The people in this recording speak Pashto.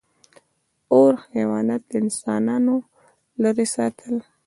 • اور حیوانات له انسانانو لرې ساتل.